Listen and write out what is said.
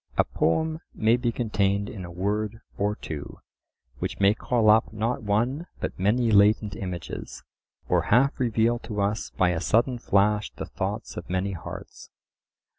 A poem may be contained in a word or two, which may call up not one but many latent images; or half reveal to us by a sudden flash the thoughts of many hearts.